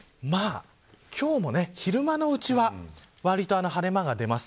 今日も、昼間のうちはわりと晴れ間が出ます。